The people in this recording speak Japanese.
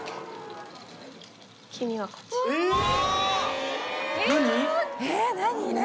うわ！